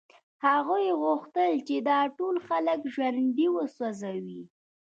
هغوی غوښتل چې دا ټول خلک ژوندي وسوځوي